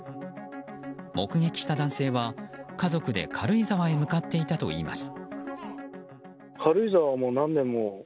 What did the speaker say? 目撃した男性は家族で軽井沢へ向かっていたといいます。